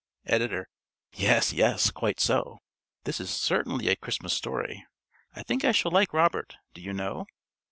_ ~Editor.~ _Yes, yes, quite so. This is certainly a Christmas story. I think I shall like Robert, do you know?